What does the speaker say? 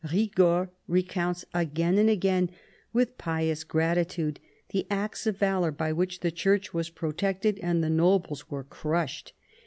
Kigord recounts again and again with pious gratitude the acts of valour by which the Church was protected and the nobles were crushed.